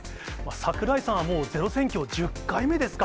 櫻井さんはもう、ｚｅｒｏ選挙、１０回目ですか。